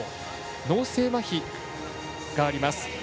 脳性まひがあります。